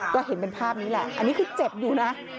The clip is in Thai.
ก็เห็นเป็นภาพนี้แหละอันนี้คือเจ็บอยู่นะ